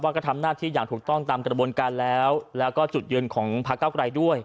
ว่าก็ทำหน้าที่อย่างถูกต้องตามกระบวนการแล้ว